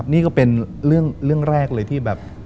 นี่ก็เป็นเรื่องแรกเลยที่แบบ